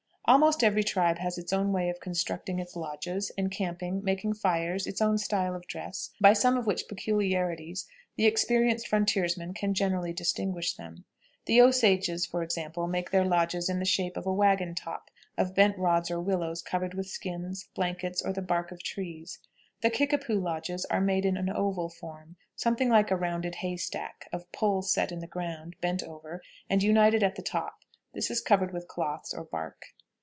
Almost every tribe has its own way of constructing its lodges, encamping, making fires, its own style of dress, by some of which peculiarities the experienced frontiersman can generally distinguish them. The Osages, for example, make their lodges in the shape of a wagon top, of bent rods or willows covered with skins, blankets, or the bark of trees. The Kickapoo lodges are made in an oval form, something like a rounded hay stack, of poles set in the ground, bent over, and united at top; this is covered with cloths or bark.